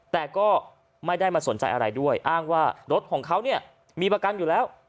แต่ก็ไม่ได้มาสนใจอะไรด้วยอ้างว่ารถของเขาเนี่ยมีประกันอยู่แล้ว